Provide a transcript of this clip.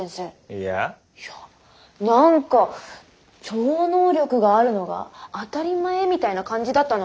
いやなんか超能力があるのが当たり前みたいな感じだったの。